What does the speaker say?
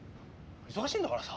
忙しいんだからさ。